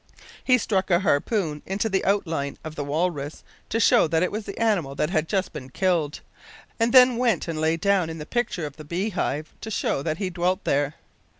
He struck a harpoon into the outline of the walrus, to show that it was the animal that had just been killed, and then went and lay down in the picture of the bee hive, to show that he dwelt there.